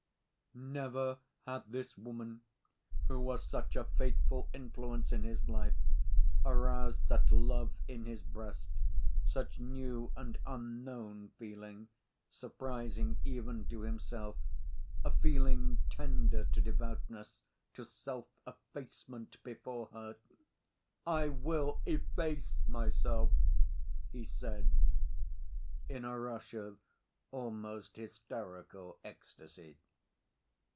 Never had this woman, who was such a fateful influence in his life, aroused such love in his breast, such new and unknown feeling, surprising even to himself, a feeling tender to devoutness, to self‐effacement before her! "I will efface myself!" he said, in a rush of almost hysterical ecstasy.